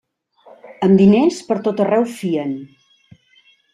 Amb diners, pertot arreu fien.